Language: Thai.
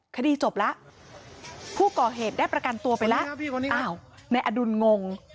คดีจบละผู้ก่อเหตุได้ประกันตัวไปละอ้าวแม่อดุลงง